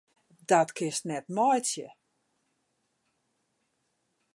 Dat kinst net meitsje!